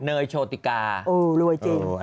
เนยโชติกา